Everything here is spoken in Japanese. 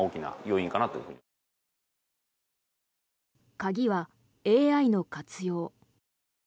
鍵はＡＩの活用。